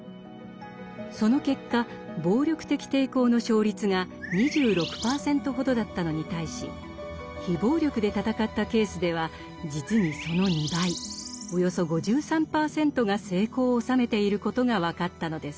その結果暴力的抵抗の勝率が２６％ほどだったのに対し非暴力で闘ったケースでは実にその２倍およそ５３％が成功を収めていることが分かったのです。